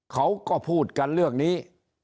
เขาก็พูดกันเรื่องนี้